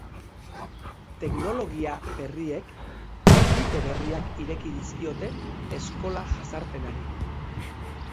Teknologia berriek bide berriak ireki dizkiote eskola jazarpenari.